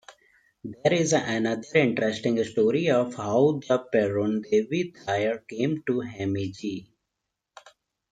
There is another interesting story of how the Perun Devi Thayar came to Hemmige.